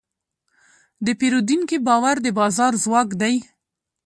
د پیرودونکي باور د بازار ځواک دی.